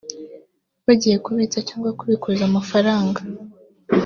bagiye kubitsa cyangwa kubikuza amafaranga